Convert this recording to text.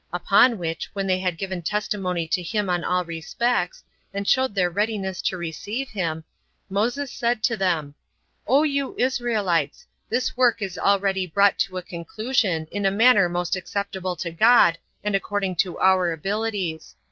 Upon which, when they had given testimony to him in all respects, and showed their readiness to receive him, Moses said to them, "O you Israelites, this work is already brought to a conclusion, in a manner most acceptable to God, and according to our abilities.